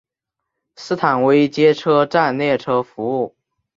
斯坦威街车站列车服务。